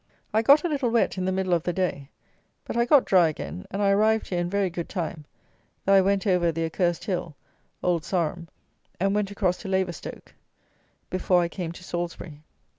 I got a little wet in the middle of the day; but I got dry again, and I arrived here in very good time, though I went over the Accursed Hill (Old Sarum), and went across to Laverstoke, before I came to Salisbury.